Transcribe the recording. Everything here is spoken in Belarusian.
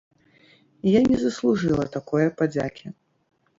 Я не заслужыла такое падзякі.